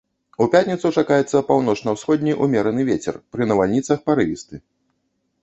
У пятніцу чакаецца паўночна-ўсходні ўмераны вецер, пры навальніцах парывісты.